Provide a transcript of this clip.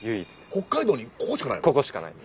北海道にここしかないの？